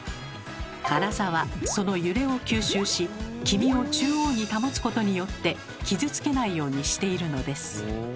カラザはその揺れを吸収し黄身を中央に保つことによって傷つけないようにしているのです。